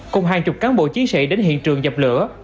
cùng hàng chục cán bộ chiến sĩ đến hiện trường dập lửa